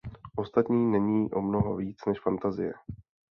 Ostatní není o mnoho víc než fantazie.